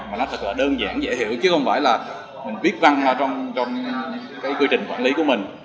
mà nó thật là đơn giản dễ hiểu chứ không phải là mình viết văn trong cái quy trình quản lý của mình